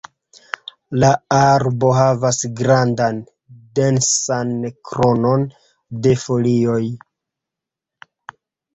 La arbo havas grandan, densan kronon de folioj.